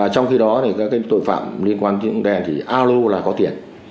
trong khi đó tội phạm liên quan đến đèn thì alo là có tiền